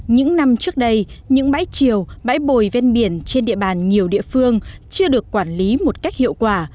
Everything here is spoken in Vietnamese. những năm trước đây những bãi triều bãi bồi ven biển trên địa bàn nhiều địa phương chưa được quản lý một cách hiệu quả